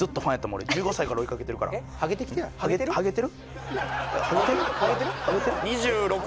俺１５歳から追いかけてるからハゲてる？